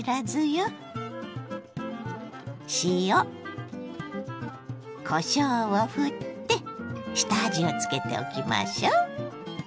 塩こしょうをふって下味をつけておきましょう。